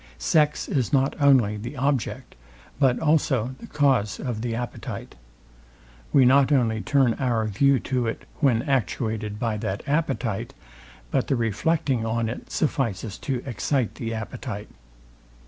Sex is not only the object, but also the cause of the appetite. We not only turn our view to it, when actuated by that appetite; but the reflecting on it suffices to excite the appetite.